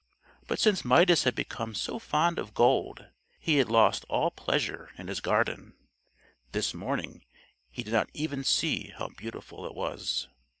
But since Midas had become so fond of gold he had lost all pleasure in his garden: this morning he did not even see how beautiful it was.